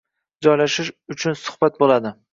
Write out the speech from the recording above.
Joylashish uchun suhbat boʻladi.